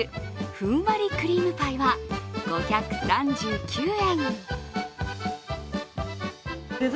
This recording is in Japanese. ふんわりクリームパイは５３９円。